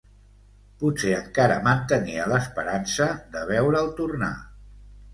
Potser encara mantenia l’esperança de veure’l tornar.